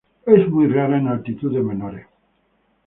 Es muy rara en altitudes menores.